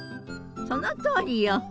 そのとおりよ。